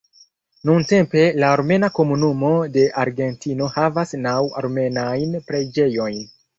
Nuntempe la armena komunumo de Argentino havas naŭ armenajn preĝejojn.